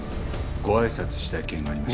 ご挨拶したい件があり。